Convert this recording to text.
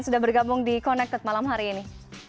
sudah bergabung di connected malam hari ini